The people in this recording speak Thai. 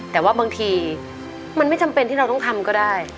แต่ว่าบางทีมันไม่จำเป็นที่เราต้องทำก็ได้